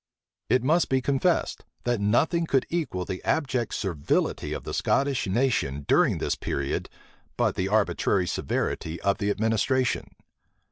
It must be confessed, that nothing could equal the abject servility of the Scottish nation during this period but the arbitrary severity of the administration.